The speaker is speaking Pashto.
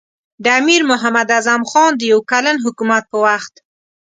د امیر محمد اعظم خان د یو کلن حکومت په وخت.